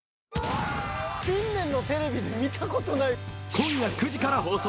今夜９時から放送。